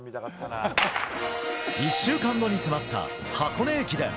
１週間後に迫った箱根駅伝。